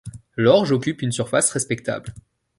L'orge occupe une surface respectable.